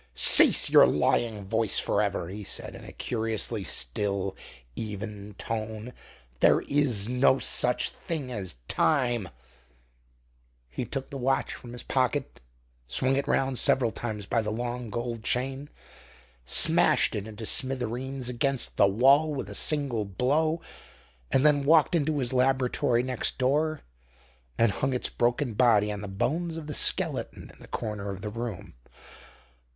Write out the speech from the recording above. "Cease your lying voice for ever," he said, in a curiously still, even tone. "There is no such thing as time!" He took the watch from his pocket, swung it round several times by the long gold chain, smashed it into smithereens against the wall with a single blow, and then walked into his laboratory next door, and hung its broken body on the bones of the skeleton in the corner of the room.